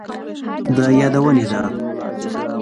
د يادونې ده،